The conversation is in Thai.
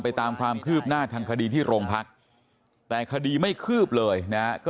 ตามความคืบหน้าทางคดีที่โรงพักแต่คดีไม่คืบเลยนะฮะก็